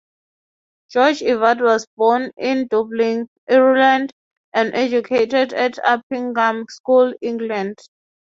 George Ivatt was born in Dublin, Ireland, and educated at Uppingham School, England.